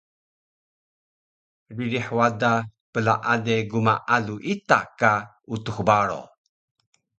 ririh wada plaale gmaalu ita ka Utux Baro